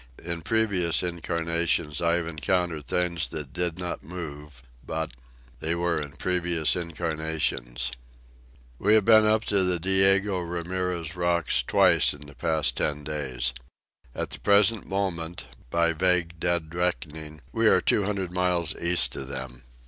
In previous incarnations I have encountered things that did not move, but ... they were in previous incarnations. We have been up to the Diego Ramirez Rocks twice in the past ten days. At the present moment, by vague dead reckoning, we are two hundred miles east of them.